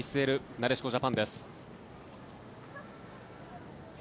なでしこジャパンです。